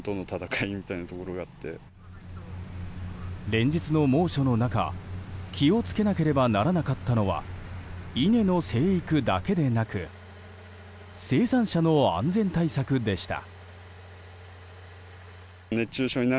連日の猛暑の中気を付けなければならなかったのは稲の生育だけでなく生産者の安全対策でした。